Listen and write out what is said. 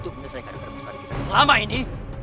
itu benar benar keadaan muslim kita selama ini